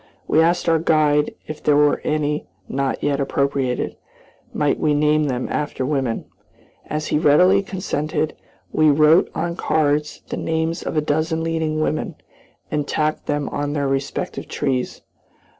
We asked our guide if there were any not yet appropriated, might we name them after women. As he readily consented, we wrote on cards the names of a dozen leading women, and tacked them on their respective trees.